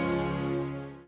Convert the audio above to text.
semua baru berakhir seperti ini